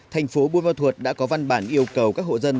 thành phố buôn ma thuột đã có văn bản yêu cầu các hộ dân